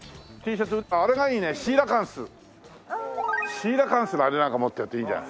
シーラカンスのあれなんか持ってるといいじゃない。